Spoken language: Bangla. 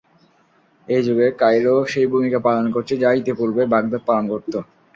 এই যুগে কায়রো সেই ভূমিকা পালন করছে, যা ইতিপূর্বে বাগদাদ পালন করতো।